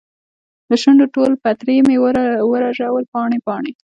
دشونډو ټول پتري مې ورژول پاڼې ، پاڼې